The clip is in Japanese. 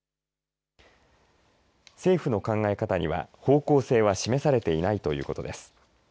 政府の考え方には方向性は示されていないということです。